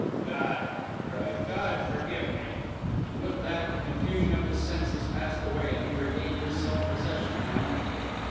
"God," he cried, "God forgive me!" And with that, the confusion of his senses passed away, and he regained his self possession in a moment.